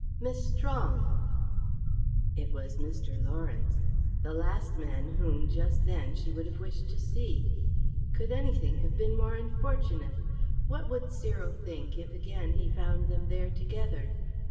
"Miss Strong!" It was Mr. Lawrence. The last man whom, just then, she would have wished to see. Could anything have been more unfortunate? What would Cyril think if, again, he found them there together.